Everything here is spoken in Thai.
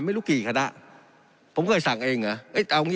ไม่รู้กี่คันอ่ะผมเคยสั่งเองอ่ะเอ้ยเอาเอาเอา